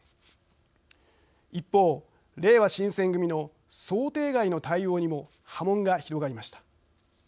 一方れいわ新選組の想定外の対応にも波紋が広がりました。